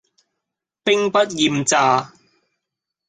兵不厭詐